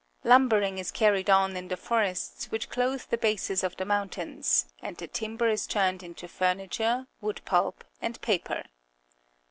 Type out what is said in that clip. Lumbering is carried on in the forests which clothe the bases of the mountains, and the timber is turned into furniture, wood pulp, and paper.